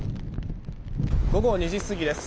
午後２時過ぎです。